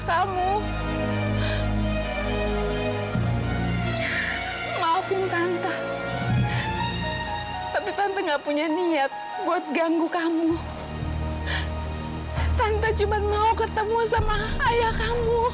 sampai jumpa di video selanjutnya